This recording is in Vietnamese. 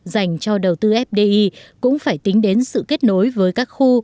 dành cho đầu tư fdi cũng phải tính đến sự kết nối với các khu